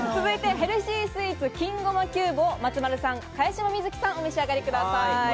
ヘルシースイーツ、金ごまキューブを松丸さん、茅島みずきさん、お召し上がりください。